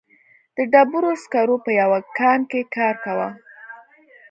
د ډبرو سکرو په یوه کان کې کار کاوه.